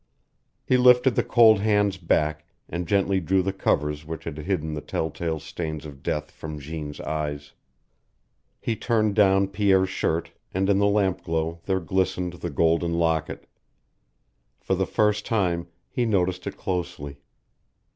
He lifted the cold hands back, and gently drew the covers which had hidden the telltale stains of death from Jeanne's eyes. He turned down Pierre's shirt, and in the lamp glow there glistened the golden locket. For the first time he noticed it closely.